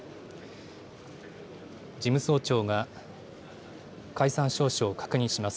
事務総長が解散詔書を確認します。